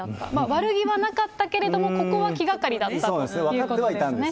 悪気はなかったけれども、ここは気がかりだったということなんですね。